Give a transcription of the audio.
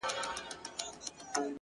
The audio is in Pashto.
يار ژوند او هغه سره خنـديږي،